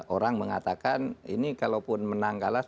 orang mengatakan ini kalaupun menang kalah